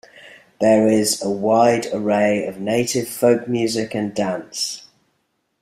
There is a wide array of native folk music, and dance.